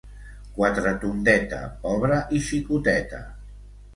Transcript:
Quatretondeta, pobra i xicoteta.